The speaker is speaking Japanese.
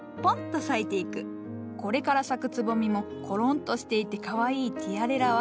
これから咲くつぼみもコロンとしていてかわいいティアレラは。